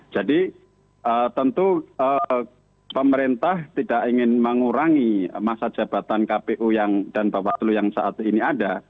jadi tentu pemerintah tidak ingin mengurangi masa jabatan kpu dan bawaslu yang saat ini ada